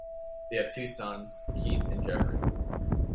They have two sons, Keith and Geoffrey.